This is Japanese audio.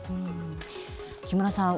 木村さん